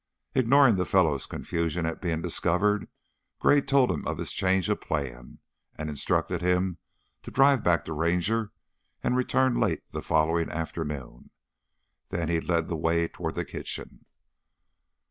Ignoring the fellow's confusion at being discovered, Gray told him of his change of plan and instructed him to drive back to Ranger and to return late the following afternoon. Then he led the way toward the kitchen.